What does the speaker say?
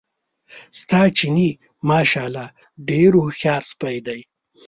ستا چیني ماشاءالله ډېر هوښیار سپی دی.